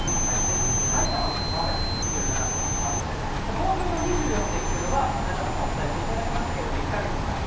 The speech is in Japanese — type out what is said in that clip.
埼玉の熊谷でも２７．３度で、東京の２４．９度が、中山さんお伝えしていただきましたけれども、１か月先。